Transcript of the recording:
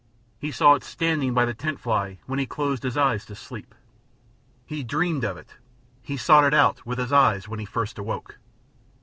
He saw it standing by the tent fly when he closed his eyes to sleep; he dreamed of it; he sought it out with his eyes when he first awoke.